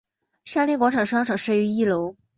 沙田广场商场设于一楼。